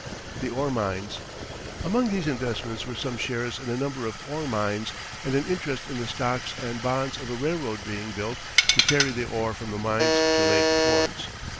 THE ORE MINES Among these investments were some shares in a number of ore mines and an interest in the stocks and bonds of a railroad being built to carry the ore from the mines to lake ports.